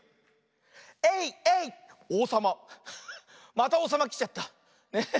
またおうさまきちゃった。